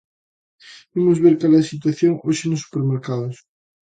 Imos ver cal é a situación hoxe nos supermercados.